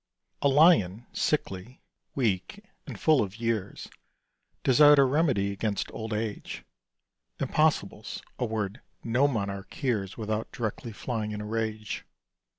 A Lion, sickly, weak, and full of years, Desired a remedy against old age (Impossible's a word no monarch hears Without directly flying in a rage).